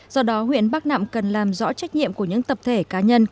do đó huyện bắc nạm cần làm rõ trách nhiệm của những tập thể cá nhân